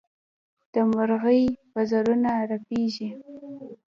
د مرغۍ وزرونه رپېږي.